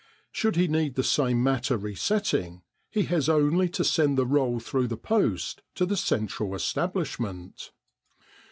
Should he need the same matter re setting, he has only to send the roll through the post to the central establishment.